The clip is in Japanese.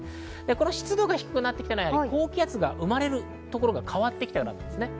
この湿度が低くなったのは高気圧が生まれるところが変わってきたからです。